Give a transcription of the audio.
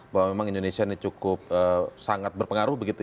bahwa memang indonesia ini cukup sangat berpengaruh begitu ya